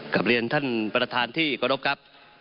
กลับเรียนท่านประธานที่เคารพครับ